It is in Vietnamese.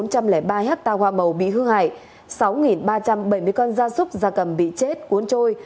bốn trăm linh ba hectare hoa màu bị hư hại sáu ba trăm bảy mươi con da súc da cầm bị chết cuốn trôi